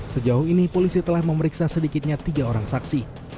sejauh ini polisi telah memeriksa sedikitnya tiga orang saksi